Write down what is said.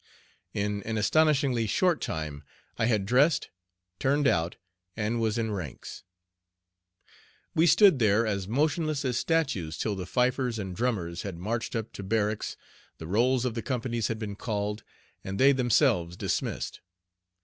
In an astonishingly short time I had dressed, "turned out," and was in ranks. We stood there as motionless as statues till the fifers and drummers had marched up to barracks, the rolls of the companies had been called, and they themselves dismissed.